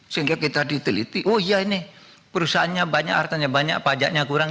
sehingga kita diteliti oh iya ini perusahaannya banyak hartanya banyak pajaknya kurang